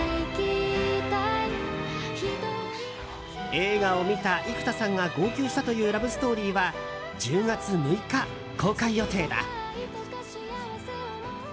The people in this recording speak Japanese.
映画を見た幾田さんが号泣したというラブストーリーは１０月６日公開予定だ。